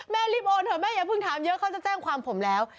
รีบโอนเถอะแม่อย่าเพิ่งถามเยอะเขาจะแจ้งความผมแล้ว